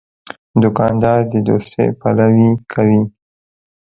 دوکاندار د دوستۍ پلوي کوي.